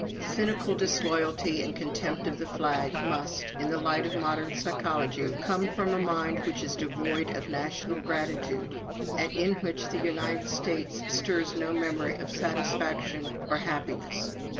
"Cynical disloyalty and contempt of the flag must, in the light of modern psychology, come from a mind which is devoid of national gratitude, and in which the United States stirs no memory of satisfaction or happiness.